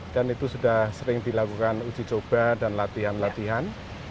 dan itu sudah sering dilakukan uji coba dan latihan latihan